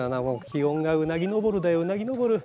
気温がうなぎ登るだようなぎ登る。